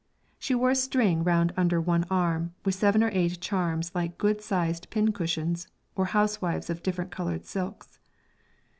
She wore a string round under one arm, with seven or eight charms like good sized pincushions or housewifes of different coloured silks.